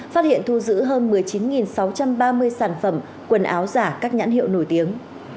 phát hiện thu giữ hơn một mươi chín sáu trăm ba mươi sản phẩm quần áo giả các nhãn hiệu nổi tiếng